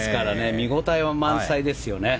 見応えは満載ですよね。